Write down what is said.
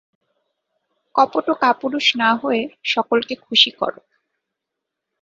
কপট ও কাপুরুষ না হয়ে সকলকে খুশী কর।